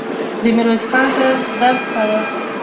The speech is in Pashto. د ميرويس خان سر درد کاوه.